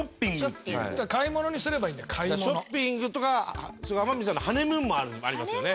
だからショッピングとかそれから天海さんのハネムーンもありますよね。